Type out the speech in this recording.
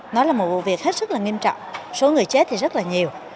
nó là một vụ việc hết sức là nghiêm trọng số người chết thì rất là nhiều